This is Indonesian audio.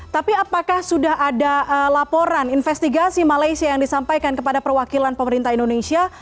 tapi apakah sudah ada laporan investigasi malaysia yang disampaikan kepada perwakilan pemerintah indonesia